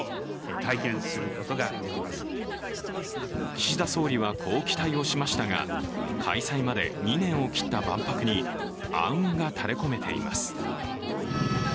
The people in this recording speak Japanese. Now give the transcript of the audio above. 岸田総理は、こう期待をしましたが、開催まで２年を切った万博に暗雲が垂れこめています。